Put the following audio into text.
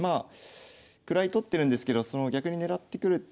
位取ってるんですけど逆に狙ってくるっていうのがね